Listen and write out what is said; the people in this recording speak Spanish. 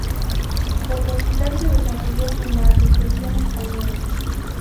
El recital se desarrolló en la Asociación Española.